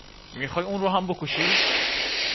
میخوای اون رو هم بکشی